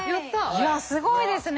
いやすごいですね。